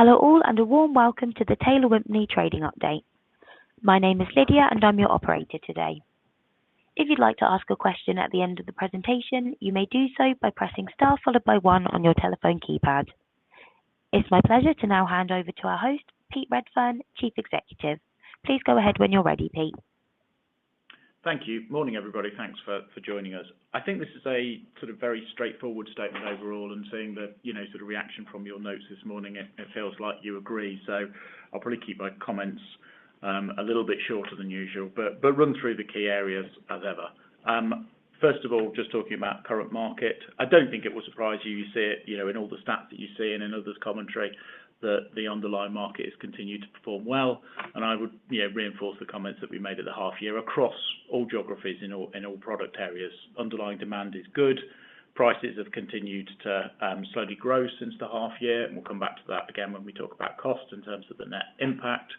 Hello all, and a warm welcome to the Taylor Wimpey trading update. My name is Lydia, and I'm your operator today. If you'd like to ask a question at the end of the presentation, you may do so by pressing Star followed by one on your telephone keypad. It's my pleasure to now hand over to our host, Pete Redfern, Chief Executive. Please go ahead when you're ready, Pete. Thank you. Morning, everybody. Thanks for joining us. I think this is a sort of very straightforward statement overall, and seeing the, you know, sort of reaction from your notes this morning, it feels like you agree. I'll probably keep my comments a little bit shorter than usual, but run through the key areas as ever. First of all, just talking about current market, I don't think it will surprise you. You see it, you know, in all the stats that you see and in others' commentary, that the underlying market has continued to perform well. I would, you know, reinforce the comments that we made at the half year. Across all geographies in all product areas, underlying demand is good. Prices have continued to slowly grow since the half year. We'll come back to that again when we talk about cost in terms of the net impact.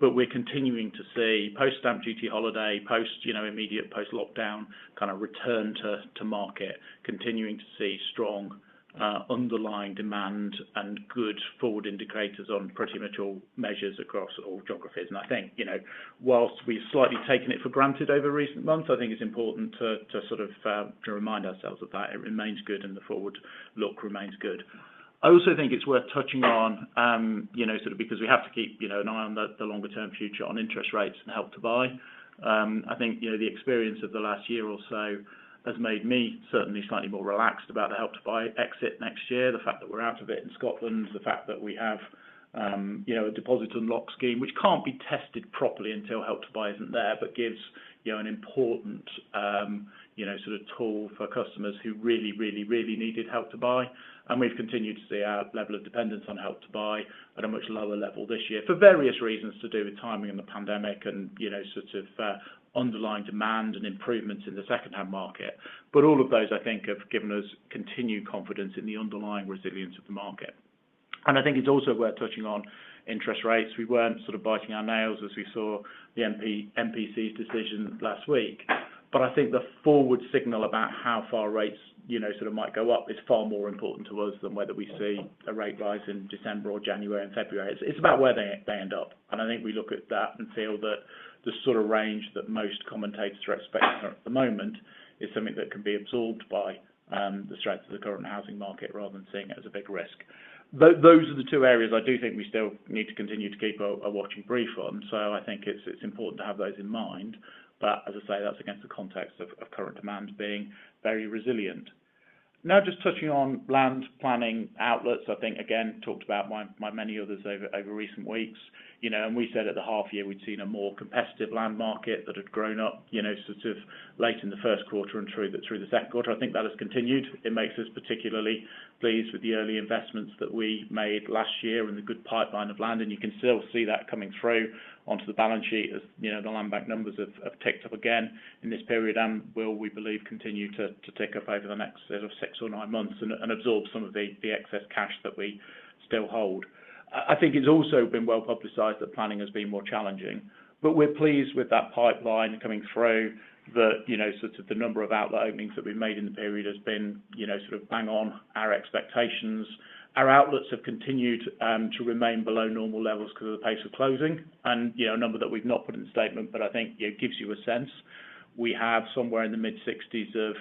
We're continuing to see post-stamp duty holiday, post immediate post-lockdown kind of return to market, continuing to see strong underlying demand and good forward indicators on pretty much all measures across all geographies. I think while we've slightly taken it for granted over recent months, I think it's important to sort of remind ourselves of that. It remains good and the forward look remains good. I also think it's worth touching on because we have to keep an eye on the longer term future on interest rates and Help to Buy. I think, you know, the experience of the last year or so has made me certainly slightly more relaxed about the Help to Buy exit next year, the fact that we're out of it in Scotland, the fact that we have, you know, a Deposit Unlock scheme, which can't be tested properly until Help to Buy isn't there, but gives, you know, an important, you know, sort of tool for customers who really needed Help to Buy. We've continued to see our level of dependence on Help to Buy at a much lower level this year for various reasons to do with timing in the pandemic and, you know, sort of, underlying demand and improvements in the second half market. All of those, I think, have given us continued confidence in the underlying resilience of the market. I think it's also worth touching on interest rates. We weren't sort of biting our nails as we saw the MPC's decision last week. I think the forward signal about how far rates, you know, sort of might go up is far more important to us than whether we see a rate rise in December or January and February. It's about where they end up. I think we look at that and feel that the sort of range that most commentators are expecting at the moment is something that can be absorbed by the strength of the current housing market rather than seeing it as a big risk. Those are the two areas I do think we still need to continue to keep a watching brief on. I think it's important to have those in mind. As I say, that's against the context of current demand being very resilient. Now, just touching on land planning outlets, I think, again, talked about by many others over recent weeks, you know, and we said at the half year, we'd seen a more competitive land market that had grown up, you know, sort of late in the first quarter and through the second quarter. I think that has continued. It makes us particularly pleased with the early investments that we made last year and the good pipeline of land. You can still see that coming through onto the balance sheet as, you know, the land bank numbers have ticked up again in this period and will, we believe, continue to tick up over the next sort of six or nine months and absorb some of the excess cash that we still hold. I think it's also been well-publicized that planning has been more challenging. We're pleased with that pipeline coming through the, you know, sort of the number of outlet openings that we've made in the period has been, you know, sort of bang on our expectations. Our outlets have continued to remain below normal levels because of the pace of closing and, you know, a number that we've not put in the statement, but I think it gives you a sense. We have somewhere in the mid-60s of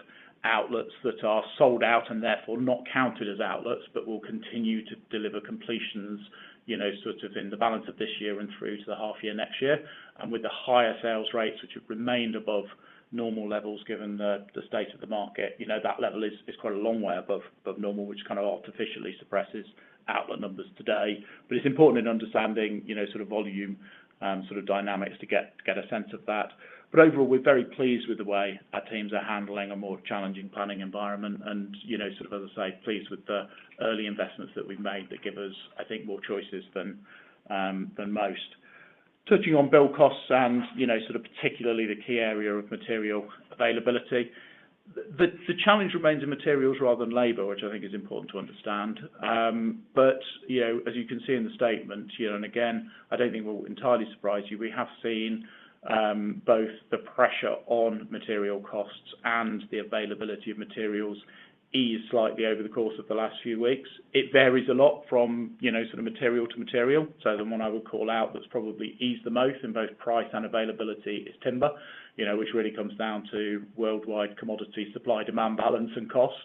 outlets that are sold out and therefore not counted as outlets, but will continue to deliver completions, you know, sort of in the balance of this year and through to the half year next year. With the higher sales rates, which have remained above normal levels, given the state of the market, you know, that level is quite a long way above normal, which kind of artificially suppresses outlet numbers today. It's important in understanding, you know, sort of volume, sort of dynamics to get a sense of that. Overall, we're very pleased with the way our teams are handling a more challenging planning environment and, you know, sort of, as I say, pleased with the early investments that we've made that give us, I think, more choices than most. Touching on build costs and, you know, sort of particularly the key area of material availability. The challenge remains in materials rather than labor, which I think is important to understand. You know, as you can see in the statement year and again, I don't think it will entirely surprise you. We have seen both the pressure on material costs and the availability of materials ease slightly over the course of the last few weeks. It varies a lot from, you know, sort of material to material. The one I would call out that's probably eased the most in both price and availability is timber, you know, which really comes down to worldwide commodity supply, demand, balance and cost.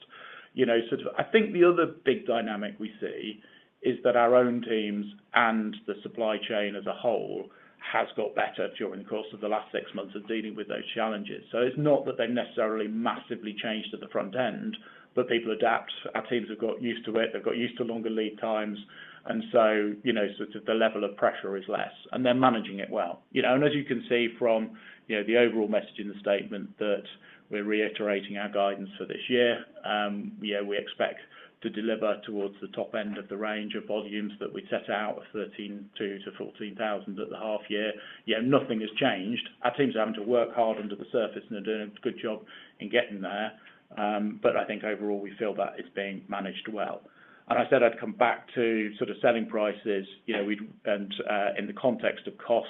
You know, sort of, I think the other big dynamic we see is that our own teams and the supply chain as a whole has got better during the course of the last six months of dealing with those challenges. It's not that they necessarily massively changed at the front end, but people adapt. Our teams have got used to it. They've got used to longer lead times. You know, sort of the level of pressure is less, and they're managing it well. You know, as you can see from, you know, the overall message in the statement that we're reiterating our guidance for this year, you know, we expect to deliver towards the top end of the range of volumes that we set out of 13,000-14,000 at the half year. You know, nothing has changed. Our teams are having to work hard under the surface, and they're doing a good job in getting there. But I think overall we feel that it's being managed well. I said I'd come back to sort of selling prices, you know, in the context of costs.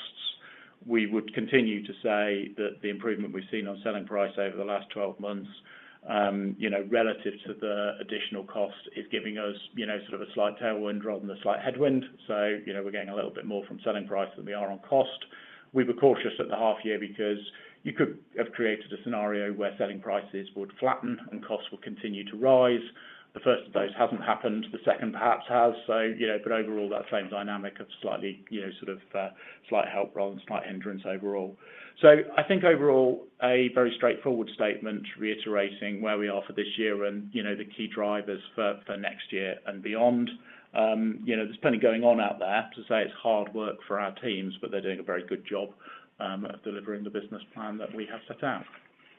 We would continue to say that the improvement we've seen on selling price over the last 12 months, you know, relative to the additional cost is giving us, you know, sort of a slight tailwind rather than a slight headwind. You know, we're getting a little bit more from selling price than we are on cost. We were cautious at the half year because you could have created a scenario where selling prices would flatten and costs will continue to rise. The first of those hasn't happened, the second perhaps has. You know, but overall, that same dynamic of slightly, you know, sort of, slight help rather than slight hindrance overall. I think overall a very straightforward statement reiterating where we are for this year and, you know, the key drivers for next year and beyond. You know, there's plenty going on out there to say it's hard work for our teams, but they're doing a very good job of delivering the business plan that we have set out.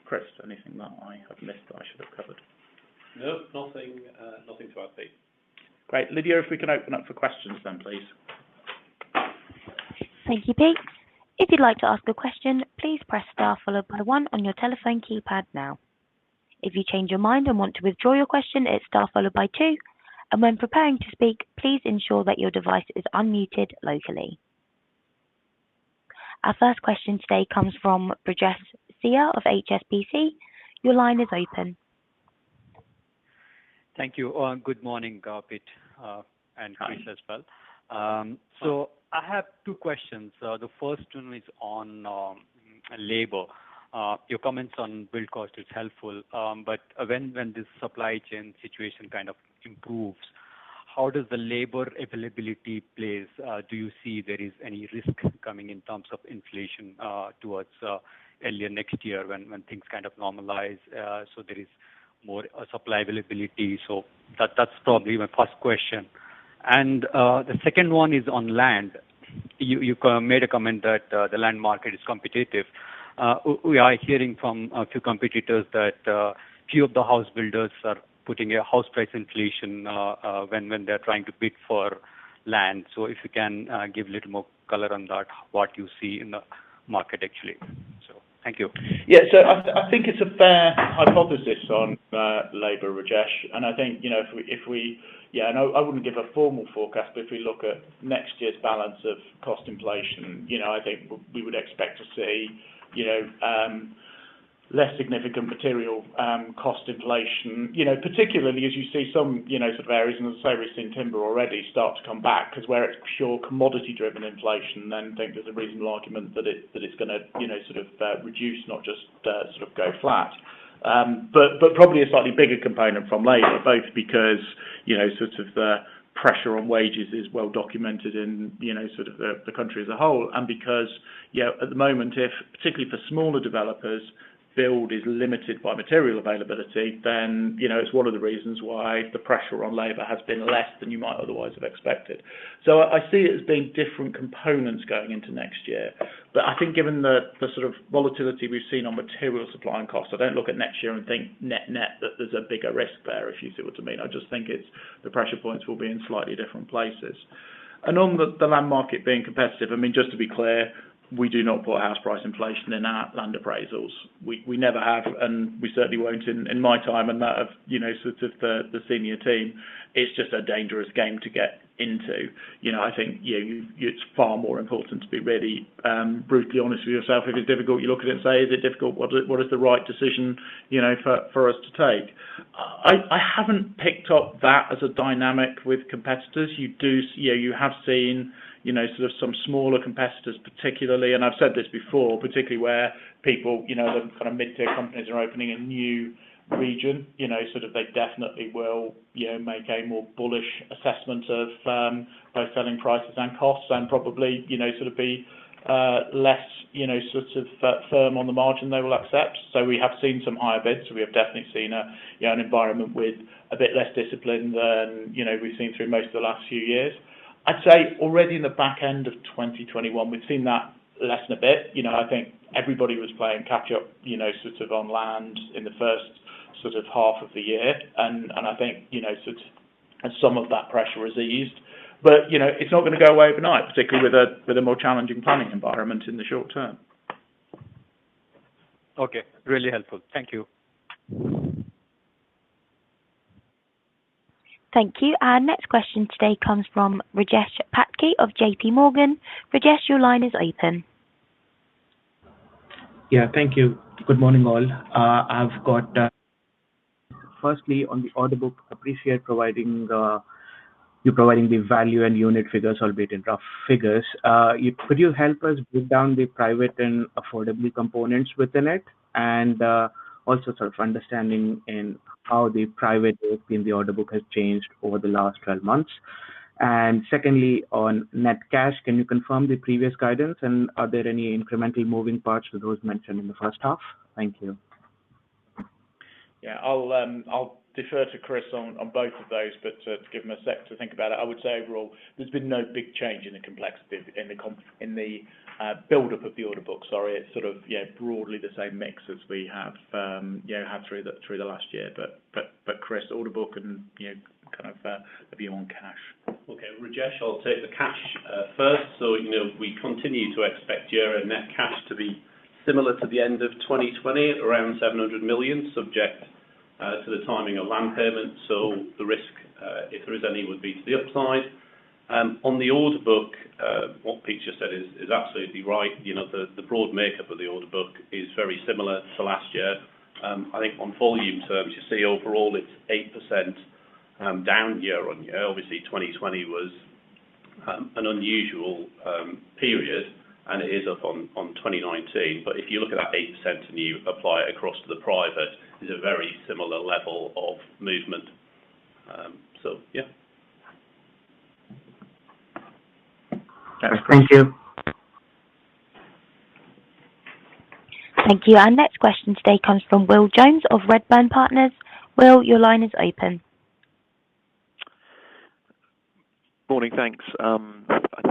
Chris, anything that I have missed that I should have covered? No, nothing to add, Pete. Great. Lydia, if we can open up for questions then, please. Thank you, Pete. If you'd like to ask a question, please press star followed by one on your telephone keypad now. If you change your mind and want to withdraw your question, it's star followed by two. When preparing to speak, please ensure that your device is unmuted locally. Our first question today comes from Rajesh Shah of HSBC. Your line is open. Thank you. Good morning, Pete, and Chris as well. Hi. I have two questions. The first one is on labor. Your comments on build cost is helpful. But when this supply chain situation kind of improves, how does the labor availability plays? Do you see there is any risk coming in terms of inflation towards early next year when things kind of normalize, so there is more supply availability? That's probably my first question. The second one is on land. You commented that the land market is competitive. We are hearing from a few competitors that few of the house builders are putting in house price inflation when they're trying to bid for land. If you can give a little more color on that, what you see in the market actually. Thank you. I think it's a fair hypothesis on labor, Rajesh. I think, you know, I wouldn't give a formal forecast, but if we look at next year's balance of cost inflation, you know, I think we would expect to see, you know, less significant material cost inflation. You know, particularly as you see some, you know, sort of areas and so we're seeing timber already start to come back 'cause where it's pure commodity driven inflation, then I think there's a reasonable argument that it's gonna, you know, sort of reduce not just sort of go flat. But probably a slightly bigger component from labor, both because, you know, sort of the pressure on wages is well documented in, you know, sort of the country as a whole. Because, you know, at the moment, if particularly for smaller developers, build is limited by material availability, then, you know, it's one of the reasons why the pressure on labor has been less than you might otherwise have expected. I see it as being different components going into next year. I think given the sort of volatility we've seen on material supply and costs, I don't look at next year and think net net that there's a bigger risk there, if you see what I mean. I just think it's the pressure points will be in slightly different places. On the land market being competitive, I mean, just to be clear, we do not put house price inflation in our land appraisals. We never have, and we certainly won't in my time and that of, you know, sort of the senior team. It's just a dangerous game to get into. You know, I think, you know, it's far more important to be really brutally honest with yourself. If it's difficult, you look at it and say, "Is it difficult? What is the right decision, you know, for us to take?" I haven't picked up that as a dynamic with competitors. You have seen, you know, sort of some smaller competitors particularly, and I've said this before, particularly where people, you know, the kind of mid-tier companies are opening a new region, you know, sort of, they definitely will, you know, make a more bullish assessment of both selling prices and costs and probably, you know, sort of be less, you know, sort of firm on the margin they will accept. We have seen some higher bids. We have definitely seen a, you know, an environment with a bit less discipline than, you know, we've seen through most of the last few years. I'd say already in the back end of 2021, we've seen that lessen a bit. You know, I think everybody was playing catch up, you know, sort of on land in the first sort of half of the year. I think, you know, sort of some of that pressure is eased. You know, it's not gonna go away overnight, particularly with a more challenging planning environment in the short term. Okay. Really helpful. Thank you. Thank you. Our next question today comes from Rajesh Patki of JPMorgan. Rajesh, your line is open. Yeah, thank you. Good morning, all. I've got, firstly on the order book, appreciate you providing the value and unit figures, albeit in rough figures. Could you help us break down the private and affordability components within it? Also sort of understanding how the private book in the order book has changed over the last 12 months. Secondly, on net cash, can you confirm the previous guidance? Are there any incremental moving parts to those mentioned in the first half? Thank you. Yeah. I'll defer to Chris on both of those, but to give him a sec to think about it. I would say overall, there's been no big change in the complexity in the buildup of the order book, sorry. It's sort of broadly the same mix as we have had through the last year. Chris, order book and you know, kind of maybe on cash. Okay. Rajesh, I'll take the cash first. You know, we continue to expect year-end net cash to be similar to the end of 2020, around 700 million, subject To the timing of land payment. The risk, if there is any, would be to the upside. On the order book, what Pete said is absolutely right. You know, the broad makeup of the order book is very similar to last year. I think on volume terms, you see overall it's 8% down year-on-year. Obviously 2020 was an unusual period, and it is up on 2019. If you look at that 8% and you apply it across to the private, it's a very similar level of movement. Thank you. Thank you. Our next question today comes from Will Jones of Redburn Partners. Will, your line is open. Morning, thanks.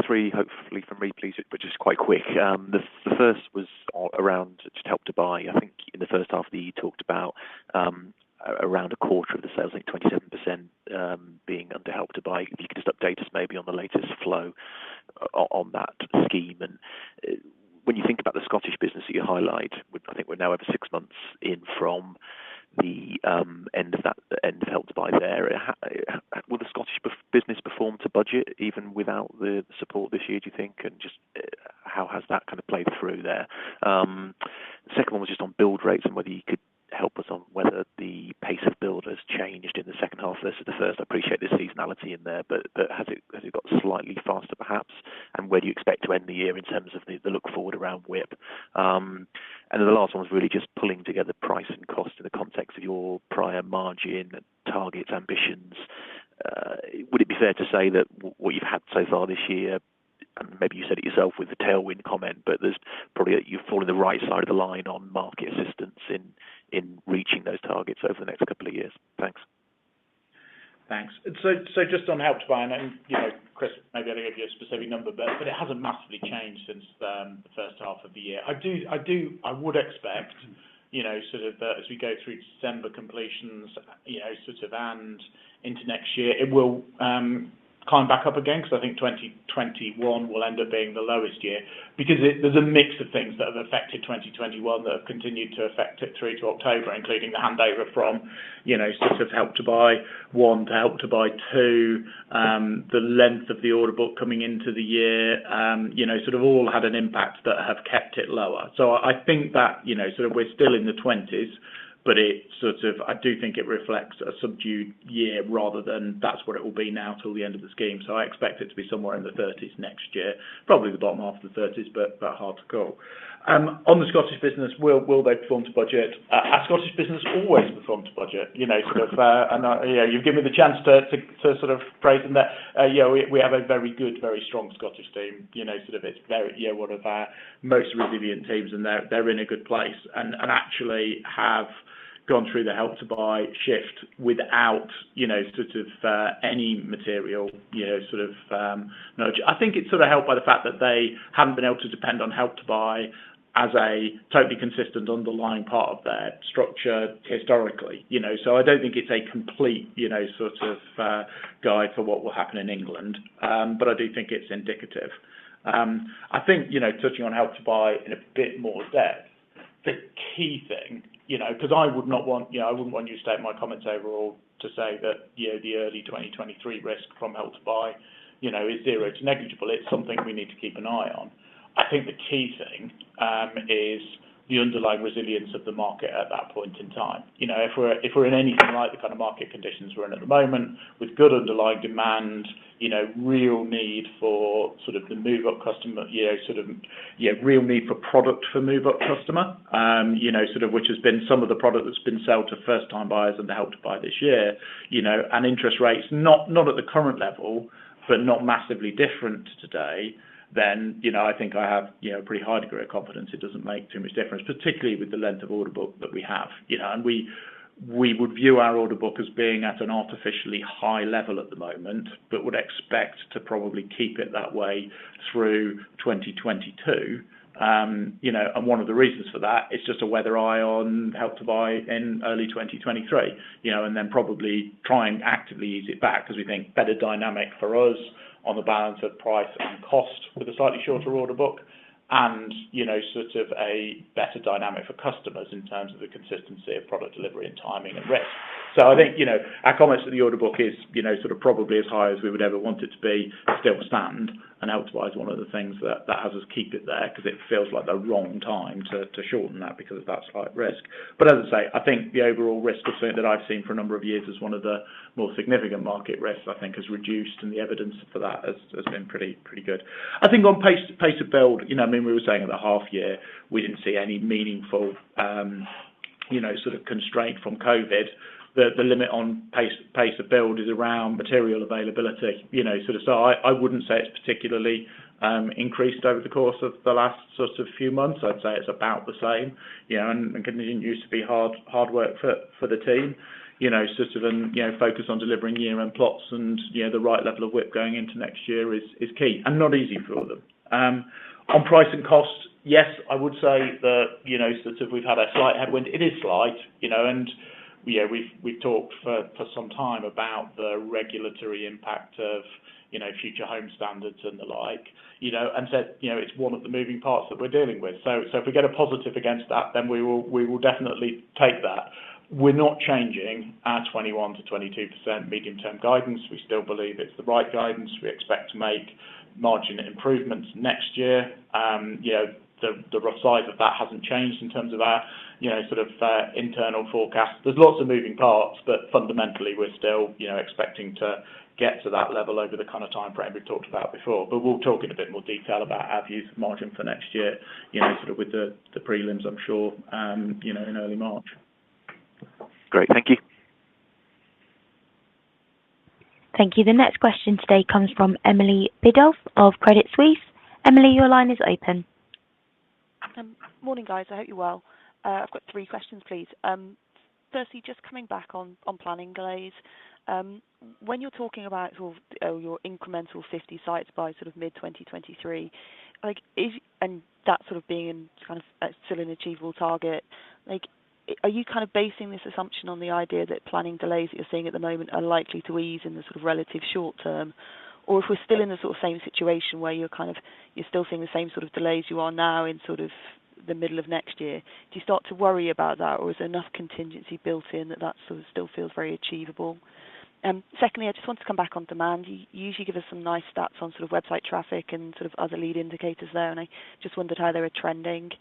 Three, hopefully, from me, please, which is quite quick. The first was around just Help to Buy. I think in the first half that you talked about, around a quarter of the sales, like 27%, being under Help to Buy. If you could just update us maybe on the latest flow on that scheme. When you think about the Scottish business that you highlight, which I think we're now over six months in from the end of that, end of Help to Buy there. How will the Scottish business perform to budget even without the support this year, do you think? Just how has that kind of played through there? Second one was just on build rates and whether you could help us on whether the pace of build has changed in the second half versus the first. I appreciate there's seasonality in there, but has it got slightly faster perhaps? Where do you expect to end the year in terms of the look forward around WIP? The last one was really just pulling together price and cost in the context of your prior margin targets, ambitions. Would it be fair to say that what you've had so far this year, and maybe you said it yourself with the tailwind comment, but you've probably fallen the right side of the line on market assistance in reaching those targets over the next couple of years. Thanks. Thanks. Just on Help to Buy, and then, you know, Chris, maybe I'll give you a specific number, but it hasn't massively changed since the first half of the year. I would expect, you know, sort of, as we go through December completions, you know, sort of and into next year, it will climb back up again, 'cause I think 2021 will end up being the lowest year. Because there's a mix of things that have affected 2021 that have continued to affect it through to October, including the handover from, you know, sort of Help to Buy one to Help to Buy two. The length of the order book coming into the year, you know, sort of all had an impact that have kept it lower. I think that we're still in the 20s, but I do think it reflects a subdued year rather than that's where it will be now till the end of the scheme. I expect it to be somewhere in the 30s next year, probably the bottom half of the 30s, but hard to call. On the Scottish business, will they perform to budget? Our Scottish business always performs to budget. You've given me the chance to sort of praise them that, yeah, we have a very good, very strong Scottish team. You know, sort of it's very, you know, one of our most resilient teams, and they're in a good place and actually have gone through the Help to Buy shift without, you know, sort of, any material, you know, sort of. I think it's sort of helped by the fact that they haven't been able to depend on Help to Buy as a totally consistent underlying part of their structure historically, you know. So I don't think it's a complete, you know, sort of, guide for what will happen in England. But I do think it's indicative. I think, you know, touching on Help to Buy in a bit more depth, the key thing, you know, 'cause I would not want, you know, I wouldn't want you to state my comments overall to say that, you know, the early 2023 risk from Help to Buy, you know, is zero to negligible. It's something we need to keep an eye on. I think the key thing is the underlying resilience of the market at that point in time. You know, if we're in anything like the kind of market conditions we're in at the moment with good underlying demand, you know, real need for sort of the move-up customer, you know, sort of, yeah, real need for product for move-up customer, you know, sort of which has been some of the product that's been sold to first time buyers under the Help to Buy this year. You know, interest rates, not at the current level, but not massively different today than, you know, I think I have, you know, a pretty high degree of confidence it doesn't make too much difference, particularly with the length of order book that we have, you know. We would view our order book as being at an artificially high level at the moment, but would expect to probably keep it that way through 2022. You know, one of the reasons for that is just to keep a weather eye on Help to Buy in early 2023, you know, and then probably try and actively ease it back because we think better dynamic for us on the balance of price and cost with a slightly shorter order book and, you know, sort of a better dynamic for customers in terms of the consistency of product delivery and timing and risk. I think, you know, our comments for the order book is, you know, sort of probably as high as we would ever want it to be still stand and Help to Buy is one of the things that has us keep it there 'cause it feels like the wrong time to shorten that because of that slight risk. As I say, I think the overall risk that I've seen for a number of years is one of the more significant market risks I think has reduced, and the evidence for that has been pretty good. I think on pace of build, you know, I mean, we were saying at the half year we didn't see any meaningful, you know, sort of constraint from COVID. The limit on pace of build is around material availability, you know, sort of. I wouldn't say it's particularly increased over the course of the last sort of few months. I'd say it's about the same. You know, and continuing to be hard work for the team. You know, focus on delivering year-end plots and, you know, the right level of WIP going into next year is key and not easy for them. On price and cost, yes, I would say that, you know, sort of we've had a slight headwind. It is slight, you know, and, you know, we've talked for some time about the regulatory impact of, you know, Future Homes Standard and the like. You know, it's one of the moving parts that we're dealing with. If we get a positive against that, then we will definitely take that. We're not changing our 21%-22% medium term guidance. We still believe it's the right guidance. We expect to make margin improvements next year. You know, the rough size of that hasn't changed in terms of our, you know, sort of, internal forecast. There's lots of moving parts, but fundamentally, we're still, you know, expecting to get to that level over the kind of timeframe we talked about before. We'll talk in a bit more detail about our views of margin for next year, you know, sort of with the prelims, I'm sure, you know, in early March. Great. Thank you. Thank you. The next question today comes from Emily Biddulph of Credit Suisse. Emily, your line is open. Morning, guys. I hope you're well. I've got three questions, please. Firstly, just coming back on planning delays. When you're talking about sort of your incremental 50 sites by sort of mid-2023, like and that sort of being in kind of still an achievable target, like are you kind of basing this assumption on the idea that planning delays that you're seeing at the moment are likely to ease in the sort of relative short term? Or if we're still in the sort of same situation where you're kind of, you're still seeing the same sort of delays you are now in sort of the middle of next year, do you start to worry about that, or is there enough contingency built in that that sort of still feels very achievable? Secondly, I just want to come back on demand. You usually give us some nice stats on sort of website traffic and sort of other lead indicators there, and I just wondered how they were trending.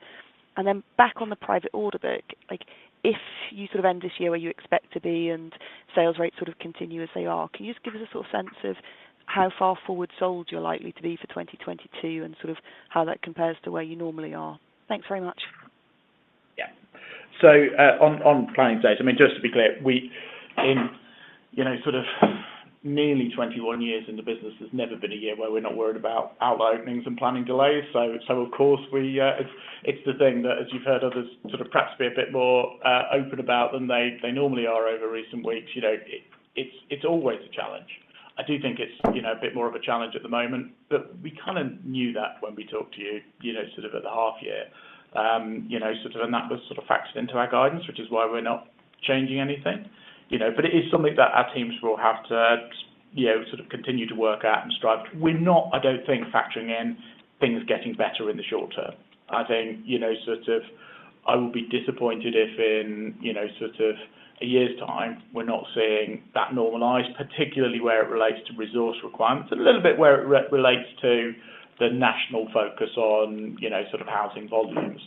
Then back on the private order book, like if you sort of end this year where you expect to be and sales rates sort of continue as they are, can you just give us a sort of sense of how far forward sold you're likely to be for 2022 and sort of how that compares to where you normally are? Thanks very much. On planning dates, I mean, just to be clear, we've been, you know, sort of nearly 21 years in the business. There's never been a year where we're not worried about our openings and planning delays. Of course, it's the thing that as you've heard others sort of perhaps be a bit more open about than they normally are over recent weeks. You know, it's always a challenge. I do think it's, you know, a bit more of a challenge at the moment, but we kind of knew that when we talked to you know, sort of at the half year. You know, sort of, and that was sort of factored into our guidance, which is why we're not changing anything. You know, it is something that our teams will have to, you know, sort of continue to work at and strive to. We're not, I don't think, factoring in things getting better in the short term. I think, you know, sort of I will be disappointed if in, you know, sort of a year's time, we're not seeing that normalize, particularly where it relates to resource requirements, a little bit where it relates to the national focus on, you know, sort of housing volumes.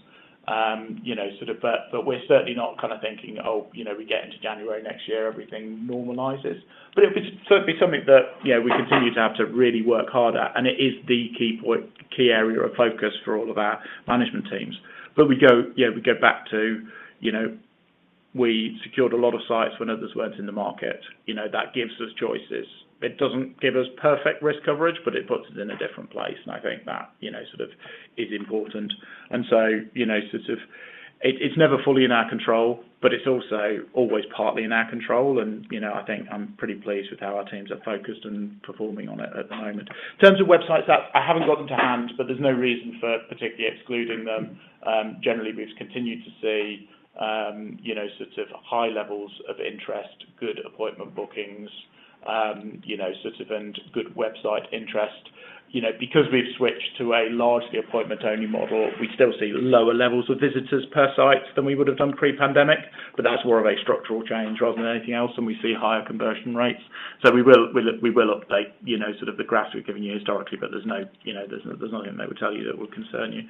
You know, sort of but we're certainly not kind of thinking, oh, you know, we get into January next year, everything normalizes. It would certainly be something that, you know, we continue to have to really work hard at, and it is the key point, key area of focus for all of our management teams. We go back to, you know, we secured a lot of sites when others weren't in the market, you know, that gives us choices. It doesn't give us perfect risk coverage, but it puts us in a different place, and I think that, you know, sort of is important. You know, sort of it's never fully in our control, but it's also always partly in our control. You know, I think I'm pretty pleased with how our teams are focused and performing on it at the moment. In terms of websites, that I haven't got them to hand, but there's no reason for particularly excluding them. Generally we've continued to see, you know, sort of high levels of interest, good appointment bookings, you know, sort of and good website interest. You know, because we've switched to a largely appointment only model, we still see lower levels of visitors per site than we would have done pre-pandemic, but that's more of a structural change rather than anything else, and we see higher conversion rates. We will update, you know, sort of the graphs we've given you historically, but there's nothing I would tell you that would concern you.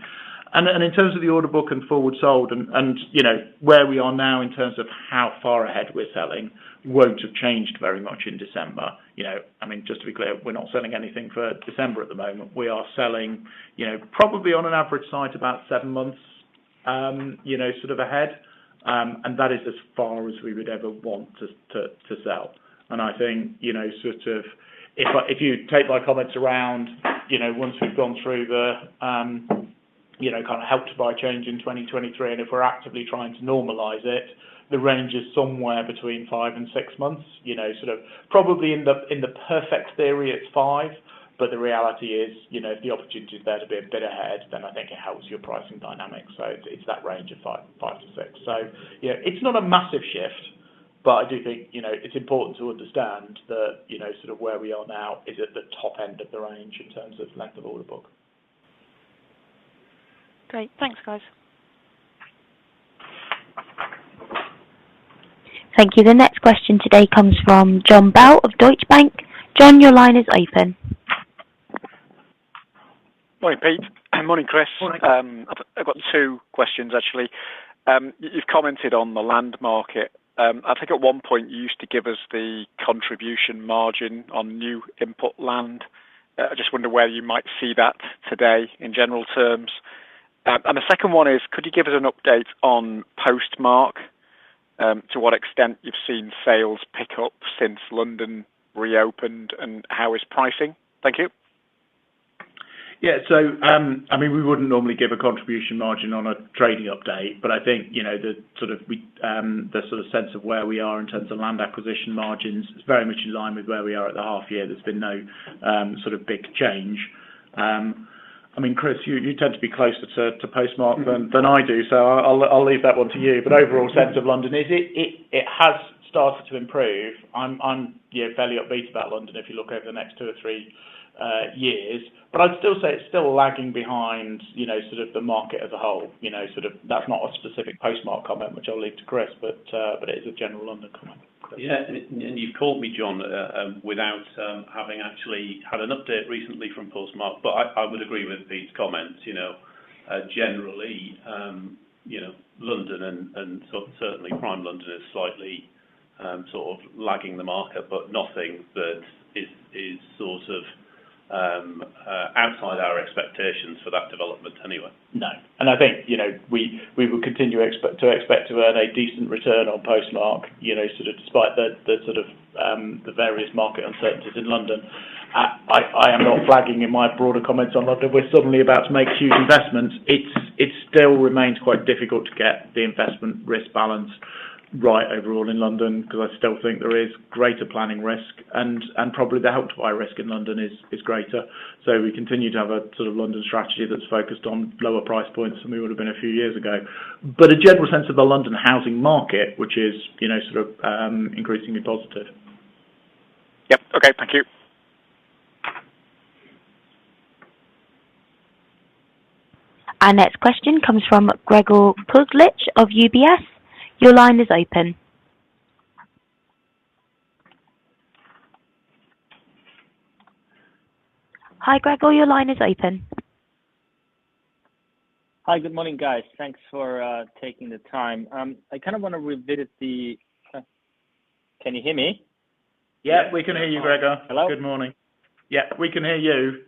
In terms of the order book and forward sold and, you know, where we are now in terms of how far ahead we're selling won't have changed very much in December. You know, I mean, just to be clear, we're not selling anything for December at the moment. We are selling, you know, probably on an average site about seven months, you know, sort of ahead. That is as far as we would ever want to sell. I think, you know, if you take my comments around, you know, once we've gone through the Help to Buy change in 2023, and if we're actively trying to normalize it, the range is somewhere between five and six months. You know, sort of probably in the perfect theory, it's five, but the reality is, you know, if the opportunity is there to be a bit ahead, then I think it helps your pricing dynamics. It's that range of 5-6. Yeah, it's not a massive shift, but I do think, you know, it's important to understand that, you know, sort of where we are now is at the top end of the range in terms of length of order book. Great. Thanks, guys. Thank you. The next question today comes from Jon Bell of Deutsche Bank. Jon, your line is open. Morning, Pete. Morning, Chris. Morning. I've got two questions, actually. You've commented on the land market. I think at one point, you used to give us the contribution margin on new input land. I just wonder where you might see that today in general terms. The second one is, could you give us an update on Postmark? To what extent you've seen sales pick up since London reopened, and how is pricing? Thank you. Yeah. I mean, we wouldn't normally give a contribution margin on a trading update, but I think, you know, the sort of sense of where we are in terms of land acquisition margins is very much in line with where we are at the half year. There's been no sort of big change. I mean, Chris, you tend to be closer to Postmark than I do. I'll leave that one to you. Overall sense of London is it has started to improve. I'm, you know, fairly upbeat about London, if you look over the next two or three years. I'd still say it's still lagging behind, you know, sort of the market as a whole. You know, sort of that's not a specific Postmark comment, which I'll leave to Chris, but it is a general London comment. Yeah. You've caught me, Jon, without having actually had an update recently from Postmark, but I would agree with Pete's comments. You know, generally, you know, London and certainly prime London is slightly sort of lagging the market, but nothing that is sort of outside our expectations for that development anyway. No. I think, you know, we will continue to expect to earn a decent return on Postmark, you know, sort of despite the sort of the various market uncertainties in London. I am not flagging in my broader comments on London. We're suddenly about to make huge investments. It still remains quite difficult to get the investment risk balance right overall in London, 'cause I still think there is greater planning risk and probably the Help to Buy risk in London is greater. We continue to have a sort of London strategy that's focused on lower price points than we would have been a few years ago. A general sense of the London housing market, which is, you know, sort of increasingly positive. Yep. Okay. Thank you. Our next question comes from Gregor Kuglitsch of UBS. Your line is open. Hi, Gregor. Your line is open. Hi. Good morning, guys. Thanks for taking the time. I kind of wanna revisit. Can you hear me? Yeah, we can hear you, Gregor. Hello. Good morning. Yeah, we can hear you.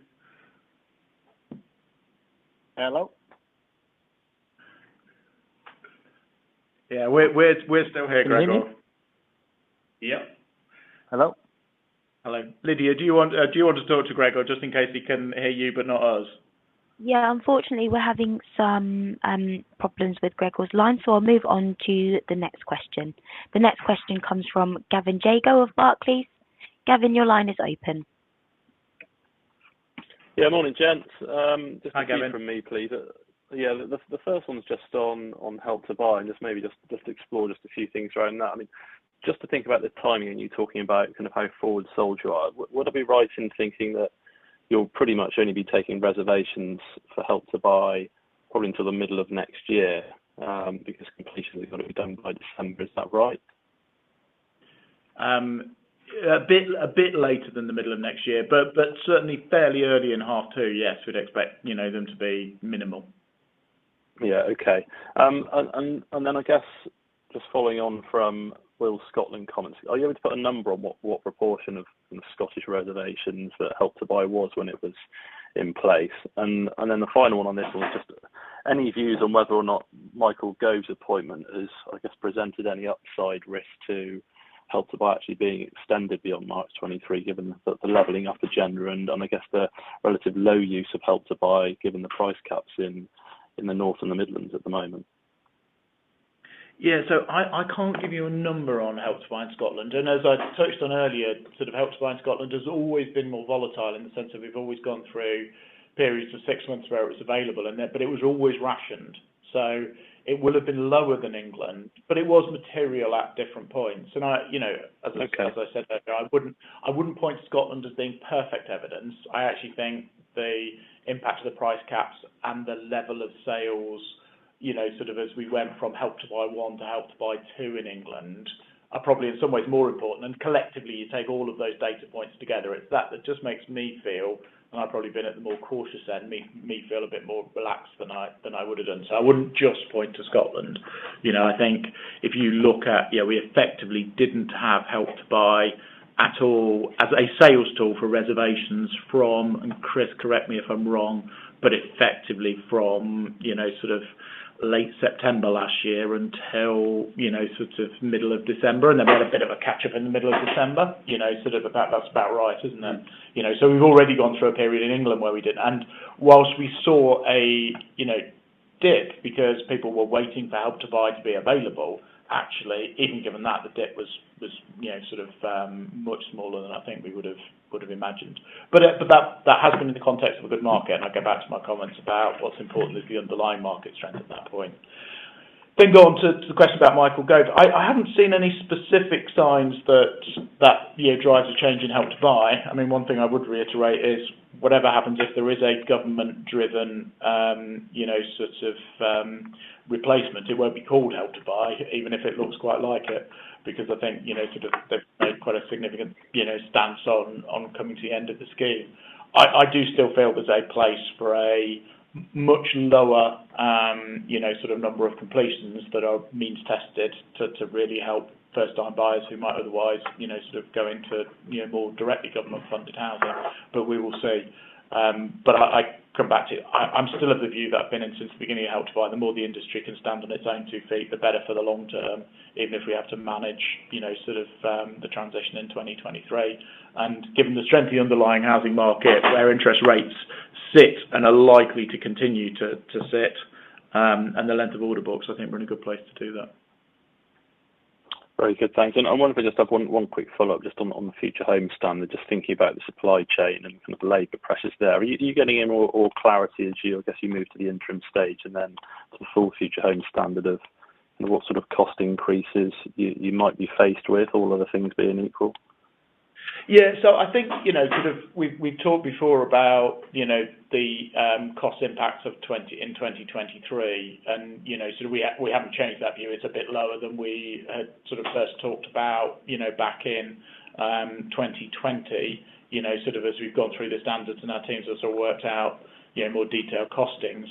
Hello? Yeah. We're still here, Gregor. Can you hear me? Yeah. Hello? Hello. Lydia, do you want to talk to Gregor just in case he can hear you but not us? Yeah. Unfortunately, we're having some problems with Gregor's line, so I'll move on to the next question. The next question comes from Gavin Jago of Barclays. Gavin, your line is open. Yeah. Morning, gents. Just two from me, please. Hi, Gavin. Yeah. The first one is just on Help to Buy, and just maybe explore just a few things around that. I mean, just to think about the timing and you talking about kind of how forward sold you are, would I be right in thinking that you'll pretty much only be taking reservations for Help to Buy probably until the middle of next year, because completion has gotta be done by December? Is that right? A bit later than the middle of next year, but certainly fairly early in half two, yes, we'd expect, you know, them to be minimal. Yeah. Okay. Then I guess just following on from Will Scotland comments, are you able to put a number on what proportion of the Scottish reservations that Help to Buy was when it was in place? The final one on this was just any views on whether or not Michael Gove's appointment has, I guess, presented any upside risk to Help to Buy actually being extended beyond March 2023, given the leveling up agenda and I guess the relative low use of Help to Buy given the price caps in the north and the Midlands at the moment? Yeah. I can't give you a number on Help to Buy in Scotland. As I touched on earlier, sort of Help to Buy in Scotland has always been more volatile in the sense that we've always gone through periods of six months where it was available and then, but it was always rationed. It will have been lower than England, but it was material at different points. I, you know, as I said earlier, I wouldn't point to Scotland as being perfect evidence. I actually think the impact of the price caps and the level of sales, you know, sort of as we went from Help to Buy one to Help to Buy two in England, are probably in some ways more important. Collectively, you take all of those data points together. It's that just makes me feel, and I've probably been at the more cautious end, make me feel a bit more relaxed than I would have done. I wouldn't just point to Scotland. You know, I think if you look at. Yeah, we effectively didn't have Help to Buy at all as a sales tool for reservations from, and Chris, correct me if I'm wrong, but effectively from, you know, sort of late September last year until, you know, sort of middle of December, and then we had a bit of a catch up in the middle of December. You know, sort of about. That's about right, isn't it? You know, we've already gone through a period in England where we did. While we saw a you know dip because people were waiting for Help to Buy to be available, actually, even given that the dip was you know sort of much smaller than I think we would've imagined. But that has been in the context of a good market. I go back to my comments about what's important is the underlying market strength at that point. Go on to the question about Michael Gove. I haven't seen any specific signs that you know drives a change in Help to Buy. I mean, one thing I would reiterate is whatever happens, if there is a government driven, you know, sort of, replacement, it won't be called Help to Buy even if it looks quite like it, because I think, you know, sort of they've made quite a significant, you know, stance on coming to the end of the scheme. I do still feel there's a place for a much lower, you know, sort of number of completions that are means tested to really help first time buyers who might otherwise, you know, sort of go into, you know, more directly government funded housing. But we will see. I come back to you. I'm still of the view that I've been in since the beginning of Help to Buy. The more the industry can stand on its own two feet, the better for the long term, even if we have to manage, you know, sort of, the transition in 2023. Given the strength of the underlying housing market, where interest rates sit and are likely to continue to sit, and the length of order books, I think we're in a good place to do that. Very good. Thanks. I wonder if I just have one quick follow-up just on the Future Homes Standard, just thinking about the supply chain and kind of labor pressures there. Are you getting any more clarity as you, I guess, you move to the interim stage and then to the full Future Homes Standard of What sort of cost increases you might be faced with all other things being equal? Yeah. I think, you know, sort of we've talked before about, you know, the cost impacts in 2023 and, you know, we haven't changed that view. It's a bit lower than we had sort of first talked about, you know, back in 2020, you know, sort of as we've gone through the standards and our teams have sort of worked out, you know, more detailed costings.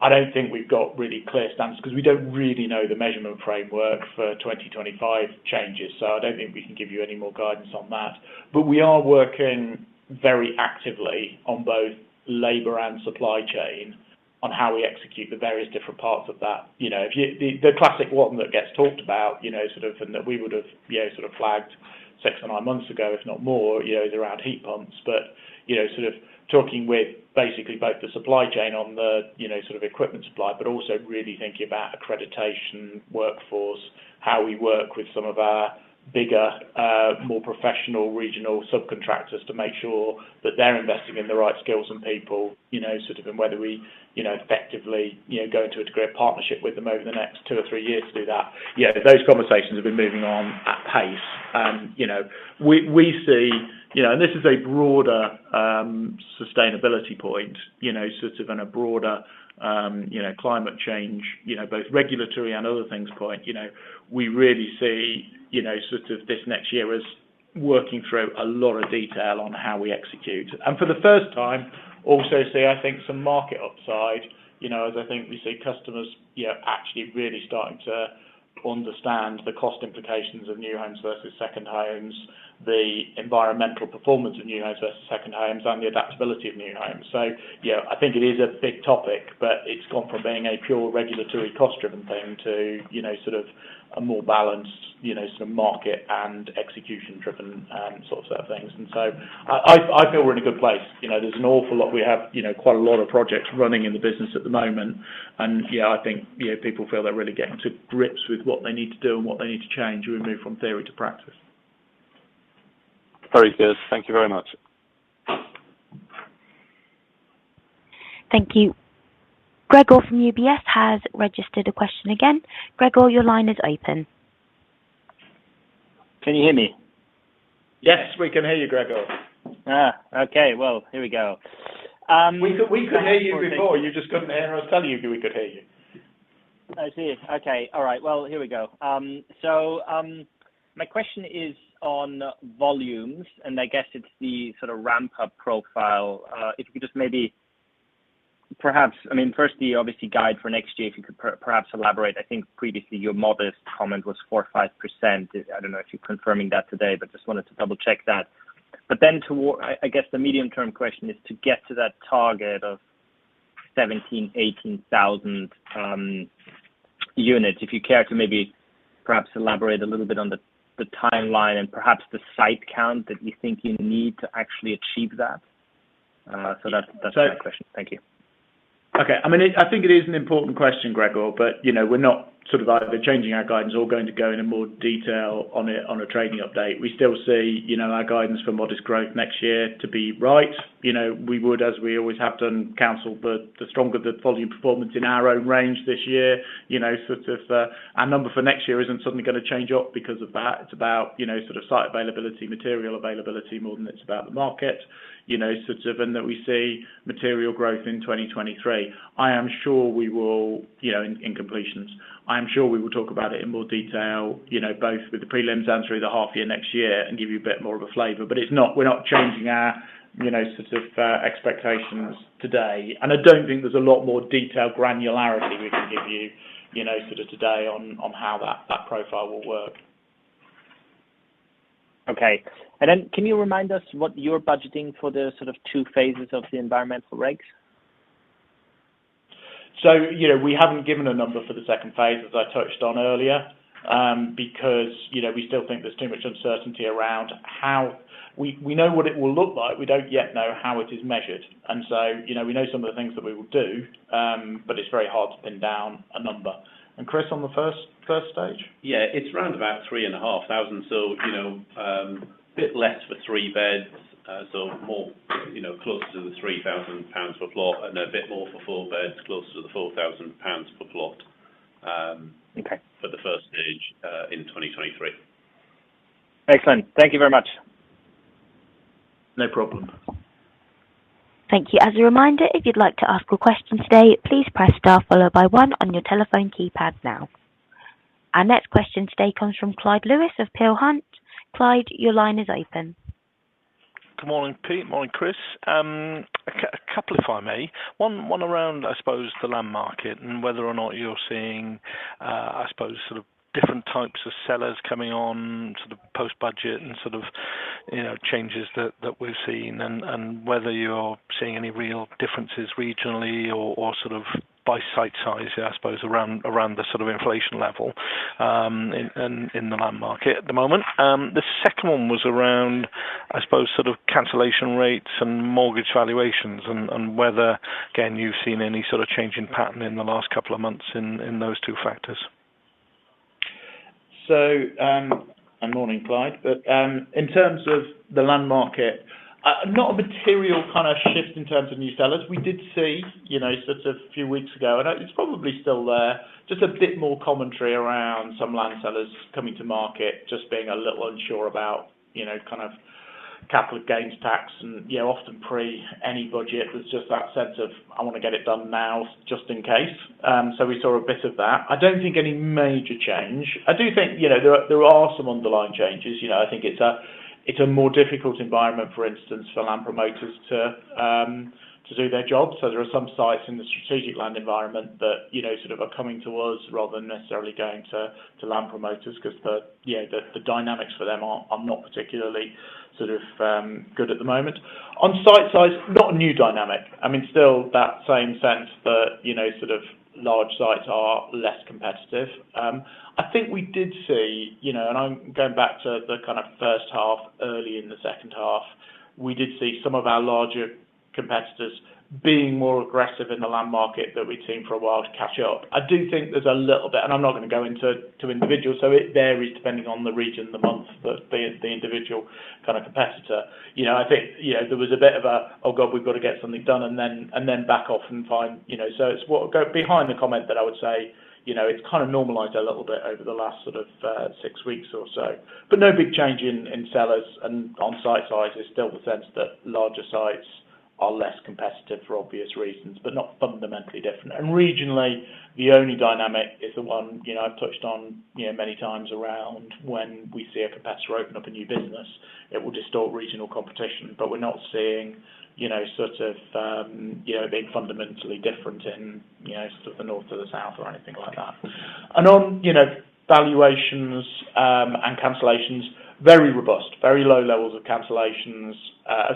I don't think we've got really clear standards because we don't really know the measurement framework for 2025 changes. I don't think we can give you any more guidance on that. We are working very actively on both labor and supply chain on how we execute the various different parts of that. You know, the classic one that gets talked about, you know, sort of, and that we would have, you know, sort of flagged 6-9 months ago, if not more, you know, is around heat pumps. You know, sort of talking with basically both the supply chain on the, you know, sort of equipment supply, but also really thinking about accreditation, workforce, how we work with some of our bigger, more professional regional subcontractors to make sure that they're investing in the right skills and people, you know, sort of, and whether we, you know, effectively, you know, go into a degree of partnership with them over the next two or three years to do that. Yeah, those conversations have been moving on at pace. You know, we see, you know, and this is a broader sustainability point, you know, sort of in a broader, you know, climate change, you know, both regulatory and other things point. You know, we really see, you know, sort of this next year as working through a lot of detail on how we execute. For the first time, we also see, I think some market upside, you know, as I think we see customers, yeah, actually really starting to understand the cost implications of new homes versus second homes, the environmental performance of new homes versus second homes and the adaptability of new homes. Yeah, I think it is a big topic, but it's gone from being a pure regulatory cost driven thing to, you know, sort of a more balanced, you know, sort of market and execution driven, sort of things. I feel we're in a good place. You know, there's an awful lot we have, you know, quite a lot of projects running in the business at the moment. Yeah, I think, you know, people feel they're really getting to grips with what they need to do and what they need to change to remove from theory to practice. Very good. Thank you very much. Thank you. Gregor from UBS has registered a question again. Gregor, your line is open. Can you hear me? Yes, we can hear you, Gregor. Okay. Well, here we go. We could hear you before. You just couldn't hear us telling you we could hear you. I see it. Okay. All right. Well, here we go. My question is on volumes, and I guess it's the sort of ramp-up profile. If you could just maybe perhaps I mean, first the obvious guidance for next year, if you could perhaps elaborate. I think previously your modest comment was 4% or 5%. I don't know if you're confirming that today, but just wanted to double check that. I guess the medium term question is to get to that target of 17,000-18,000 units. If you care to maybe perhaps elaborate a little bit on the timeline and perhaps the site count that you think you need to actually achieve that. That's my question. Thank you. Okay. I mean, I think it is an important question, Gregor, but you know, we're not sort of either changing our guidance or going to go into more detail on it on a trading update. We still see, you know, our guidance for modest growth next year to be right. You know, we would, as we always have done, counsel the stronger the volume performance in our own range this year. You know, sort of, our number for next year isn't suddenly going to change up because of that. It's about, you know, sort of site availability, material availability more than it's about the market. You know, sort of and that we see material growth in 2023. I am sure we will, you know, in completions. I am sure we will talk about it in more detail, you know, both with the prelims and through the half year next year and give you a bit more of a flavor. But it's not. We're not changing our, you know, sort of, expectations today. I don't think there's a lot more detailed granularity we can give you know, sort of today on how that profile will work. Okay. Can you remind us what you're budgeting for the sort of two phases of the environmental regs? You know, we haven't given a number for the second phase, as I touched on earlier, because, you know, we still think there's too much uncertainty around. We know what it will look like. We don't yet know how it is measured. You know, we know some of the things that we will do, but it's very hard to pin down a number. Chris, on the first stage? Yeah, it's around about 3,500. You know, bit less for three beds. More, you know, closer to the 3,000 pounds per plot and a bit more for four beds, closer to the 4,000 pounds per plot. Okay. For the first stage, in 2023. Excellent. Thank you very much. No problem. Thank you. As a reminder, if you'd like to ask a question today, please press star followed by one on your telephone keypad now. Our next question today comes from Clyde Lewis of Peel Hunt. Clyde, your line is open. Good morning, Pete. Morning, Chris. A couple if I may. One around, I suppose, the land market and whether or not you're seeing, I suppose sort of different types of sellers coming on sort of post-budget and sort of, you know, changes that we've seen and whether you're seeing any real differences regionally or sort of by site size, I suppose, around the sort of inflation level in the land market at the moment. The second one was around, I suppose sort of cancellation rates and mortgage valuations and whether, again, you've seen any sort of change in pattern in the last couple of months in those two factors. Good morning, Clyde. In terms of the land market, not a material kind of shift in terms of new sellers. We did see, you know, sort of a few weeks ago, and it's probably still there, just a bit more commentary around some land sellers coming to market, just being a little unsure about, you know, kind of capital gains tax and, you know, often pre any budget. There's just that sense of, I wanna get it done now just in case. We saw a bit of that. I don't think any major change. I do think, you know, there are some underlying changes. You know, I think it's a more difficult environment, for instance, for land promoters to do their job. There are some sites in the strategic land environment that, you know, sort of are coming to us rather than necessarily going to land promoters because, you know, the dynamics for them are not particularly sort of good at the moment. On site size, not a new dynamic. I mean, still that same sense that, you know, sort of large sites are less competitive. I think we did see, you know, I'm going back to the kind of first half, early in the second half, we did see some of our larger competitors being more aggressive in the land market that we'd seen for a while to catch up. I do think there's a little bit, and I'm not gonna go into individuals, so it varies depending on the region, the month, the individual kind of competitor. You know, I think, you know, there was a bit of a, oh, God, we've got to get something done and then back off and find, you know. It's what's gone behind the comment that I would say, you know, it's kind of normalized a little bit over the last sort of six weeks or so. No big change in sales and on-site size. It's still the sense that larger sites are less competitive for obvious reasons, but not fundamentally different. Regionally, the only dynamic is the one, you know, I've touched on, you know, many times around when we see a competitor open up a new business, it will distort regional competition. We're not seeing, you know, sort of being fundamentally different in, you know, sort of the north to the south or anything like that. On valuations and cancellations, very robust. Very low levels of cancellations.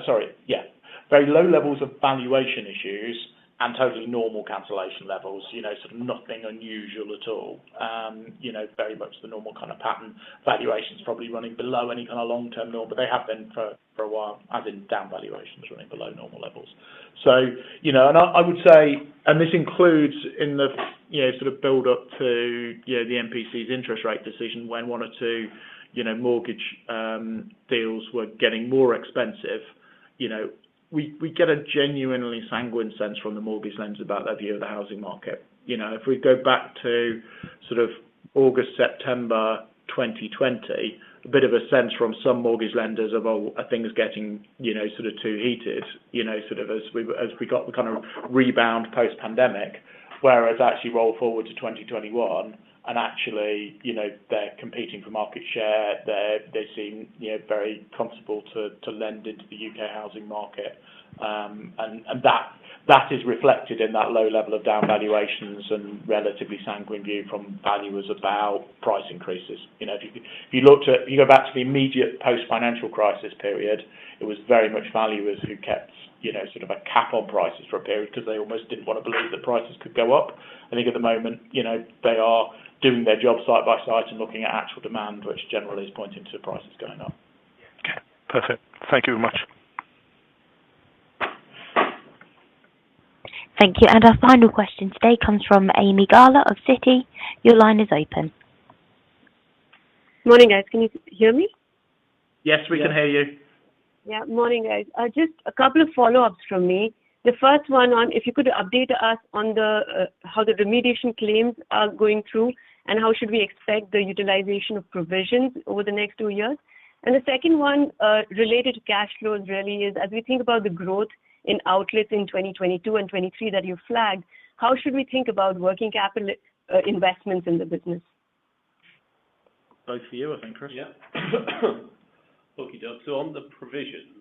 Sorry. Yeah, very low levels of valuation issues and totally normal cancellation levels. You know, sort of nothing unusual at all. You know, very much the normal kind of pattern. Valuation is probably running below any kind of long-term normal, but they have been for a while, as in down valuations running below normal levels. You know, I would say, and this includes in the build up to the MPC's interest rate decision when one or two mortgage deals were getting more expensive. You know, we get a genuinely sanguine sense from the mortgage lenders about their view of the housing market. You know, if we go back to sort of August, September 2020, a bit of a sense from some mortgage lenders of, well, are things getting, you know, sort of too heated, you know, sort of as we got the kind of rebound post-pandemic, whereas actually roll forward to 2021 and actually, you know, they're competing for market share. They seem, you know, very comfortable to lend into the U.K. housing market. And that is reflected in that low level of down valuations and relatively sanguine view from valuers about price increases. You know, if you looked at, you know, back to the immediate post-financial crisis period, it was very much valuers who kept, you know, sort of a cap on prices for a period because they almost didn't want to believe that prices could go up. I think at the moment, you know, they are doing their job site by site and looking at actual demand, which generally is pointing to prices going up. Okay, perfect. Thank you very much. Thank you. Our final question today comes from Ami Galla of Citi. Your line is open. Morning, guys. Can you hear me? Yes, we can hear you. Yeah. Morning, guys. Just a couple of follow-ups from me. The first one on if you could update us on the how the remediation claims are going through and how should we expect the utilization of provisions over the next two years. The second one, related to cash flows really is, as we think about the growth in outlets in 2022 and 2023 that you flagged, how should we think about working capital investments in the business? Both for you, I think, Chris. On the provisions,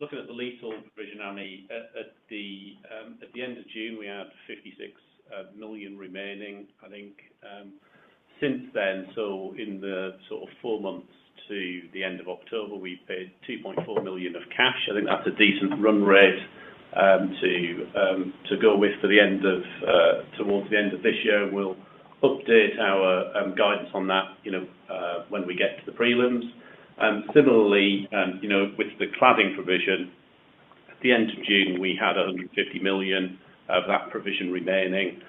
looking at the legal provision, Ami, at the end of June, we had 56 million remaining, I think. Since then, in the sort of four months to the end of October, we paid 2.4 million of cash. I think that's a decent run rate, to go with towards the end of this year. We'll update our guidance on that, you know, when we get to the prelims. Similarly, you know, with the cladding provision, at the end of June, we had 150 million of that provision remaining.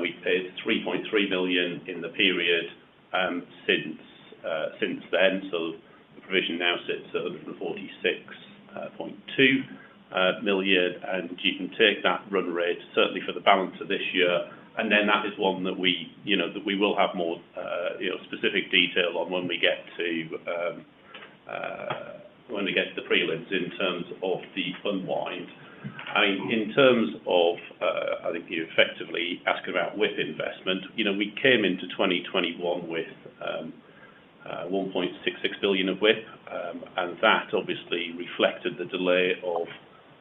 We paid 3.3 million in the period, since then. The provision now sits at 146.2 million, and you can take that run rate certainly for the balance of this year. Then that is one that we, you know, that we will have more, you know, specific detail on when we get to the prelims in terms of the unwind. I mean, in terms of, I think you're effectively asking about WIP investment. You know, we came into 2021 with 1.66 billion of WIP, and that obviously reflected the delay of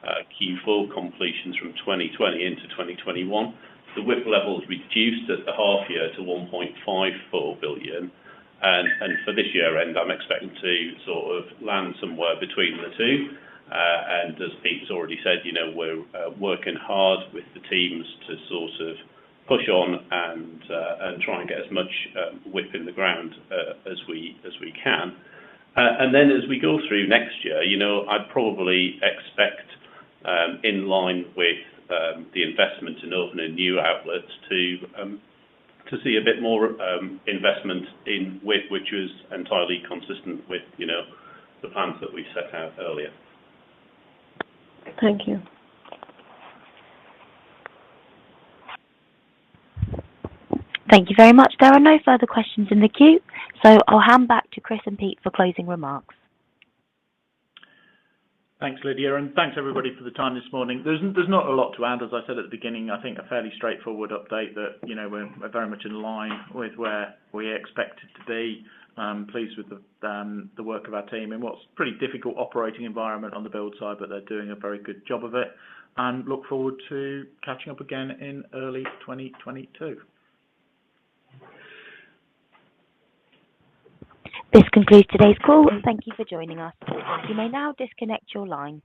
Q4 completions from 2020 into 2021. The WIP level is reduced at the half year to 1.54 billion. For this year end, I'm expecting to sort of land somewhere between the two. As Pete has already said, you know, we're working hard with the teams to sort of push on and try and get as much WIP in the ground as we can. As we go through next year, you know, I'd probably expect in line with the investment in opening new outlets to see a bit more investment in WIP, which is entirely consistent with, you know, the plans that we set out earlier. Thank you. Thank you very much. There are no further questions in the queue, so I'll hand back to Chris and Pete for closing remarks. Thanks, Lydia. Thanks everybody for the time this morning. There's not a lot to add. As I said at the beginning, I think a fairly straightforward update that, you know, we're very much in line with where we expected to be. I'm pleased with the work of our team in what's pretty difficult operating environment on the build side, but they're doing a very good job of it. Look forward to catching up again in early 2022. This concludes today's call, and thank you for joining us. You may now disconnect your line.